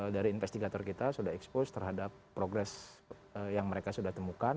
dari investigator kita sudah expose terhadap progres yang mereka sudah temukan